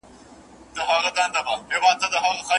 د سندي او خپلواکي څېړني ترمنځ خورا ډېر توپیر سته دی.